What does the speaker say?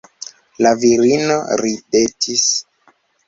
La virino ridetis.